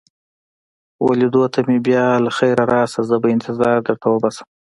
وه لیدو ته مې بیا له خیره راشه، زه به انتظار در وباسم.